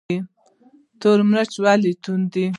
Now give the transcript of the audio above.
تور مرچ ولې توند دي؟